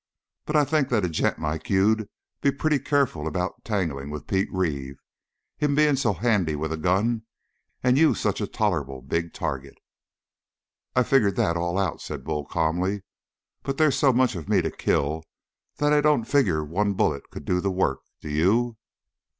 "But I'd think that a gent like you'd be pretty careful about tangling with Pete Reeve him being so handy with a gun and you such a tolerable big target." "I've figured that all out," said Bull calmly. "But they's so much of me to kill that I don't figure one bullet could do the work. Do you?"